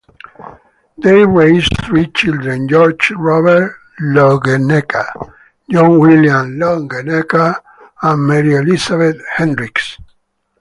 They raised three children: George Robert Longenecker, John William Longenecker, and Mary Elizabeth Hendrix.